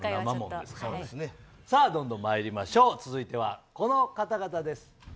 まいりましょう続いては、この方々です。